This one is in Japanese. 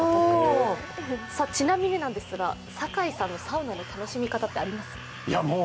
ちなみになんですが、酒井さんのサウナの楽しみ方ってありますか？